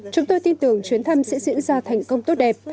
chúng tôi tin tưởng chuyến thăm sẽ diễn ra thành công tốt đẹp